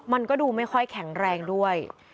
มันก็ดูไม่ค่อยแข็งแรงด้วย